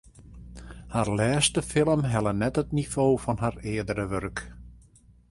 Har lêste film helle net it nivo fan har eardere wurk.